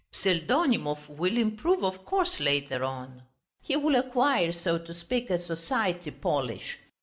Pseldonimov will improve, of course, later on. He will acquire, so to speak, a society polish....